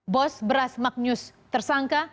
bos beras magnus tersangka